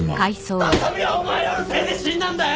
あさみはお前らのせいで死んだんだよ！